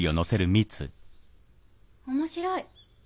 面白い。